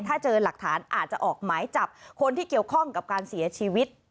ถ้าเจอหลักฐานอาจจะออกหมายจับคนที่เกี่ยวข้องกับการเสียชีวิต